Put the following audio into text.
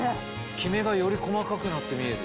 キメがより細かくなって見える。